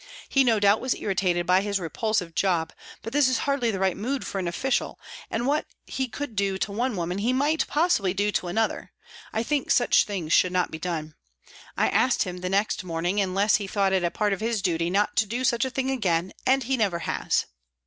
He no doubt was irritated by his repulsive job, but this is hardly the right mood for an official, and what he could do to one woman he might possibly do to another. I think such things should not be done. I asked him the next morning, unless he thought it part of his duty, not to do such a thing again, and he never has."